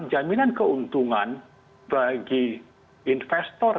jaminan keuntungan bagi investor